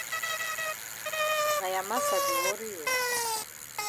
Na ya massa di worry you?